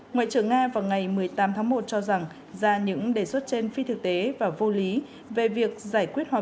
ngoại trưởng nga vào ngày một mươi tám tháng một cho rằng ra những đề xuất trên phi thực tế và vô lý về việc giải quyết hòa